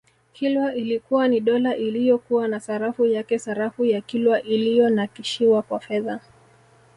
Kilwa ilikuwa ni dola iliyokuwa na sarafu yake sarafu ya Kilwa iliyonakishiwa kwa fedha